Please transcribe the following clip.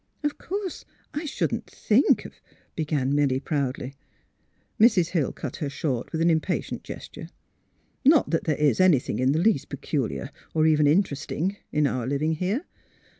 '' Of course I shouldn't think of " began Milly, proudly. Mrs. Hill cut her short with an impatient ges ture. '^ Not that there is anything in the least pe culiar, or even interesting in our living here.